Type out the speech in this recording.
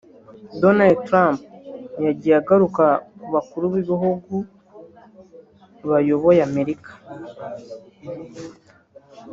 Donald Trump yagiye agaruka ku bakuru b’igihugu bayoboye Amerika